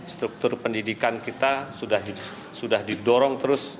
struktur pendidikan kita sudah didorong terus